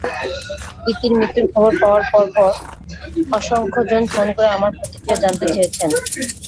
দিতির মৃত্যুর খবর পাওয়ার পরপর অসংখ্যজন ফোন করে আমার প্রতিক্রিয়া জানতে চেয়েছেন।